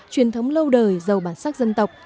truyền thống lâu đời giàu bản sắc dân tộc